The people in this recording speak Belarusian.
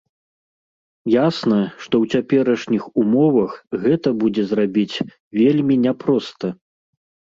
Ясна, што ў цяперашніх умовах гэта будзе зрабіць вельмі няпроста.